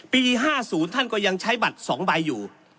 ปี๕๐ท่านก็ยังใช้บัตร๒ใบอยู่